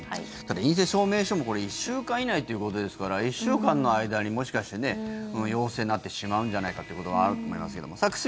陰性証明書も１週間以内ということですから１週間の間にもしかして陽性になってしまうんじゃないかということがあると思いますけど久住